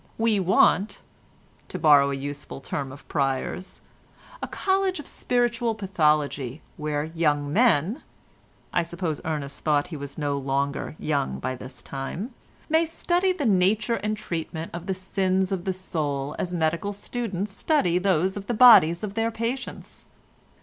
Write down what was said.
We want—to borrow a useful term of Pryer's—a College of Spiritual Pathology where young men" (I suppose Ernest thought he was no longer young by this time) "may study the nature and treatment of the sins of the soul as medical students study those of the bodies of their patients.